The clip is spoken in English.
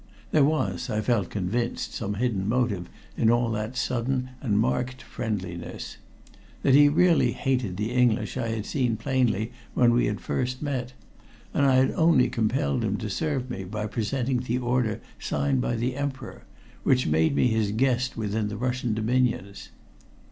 There was, I felt convinced, some hidden motive in all that sudden and marked friendliness. That he really hated the English I had seen plainly when we had first met, and I had only compelled him to serve me by presenting the order signed by the Emperor, which made me his guest within the Russian dominions.